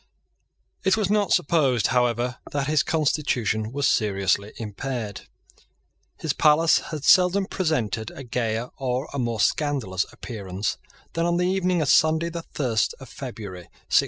It was not supposed however that his constitution was seriously impaired. His palace had seldom presented a gayer or a more scandalous appearance than on the evening of Sunday the first of February 1685.